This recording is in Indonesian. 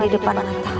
di depan kita